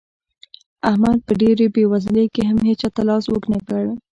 احمد په ډېره بېوزلۍ کې هم هيچا ته لاس اوږد نه کړ.